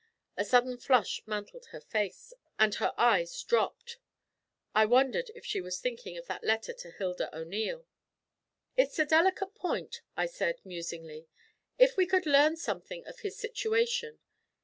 A sudden flush mantled her face, and her eyes dropped. I wondered if she was thinking of that letter to Hilda O'Neil. 'It's a delicate point,' I said musingly. 'If we could learn something of his situation.